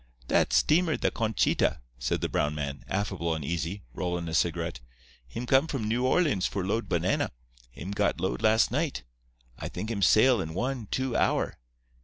"'That steamer the Conchita,' said the brown man, affable and easy, rollin' a cigarette. 'Him come from New Orleans for load banana. Him got load last night. I think him sail in one, two hour.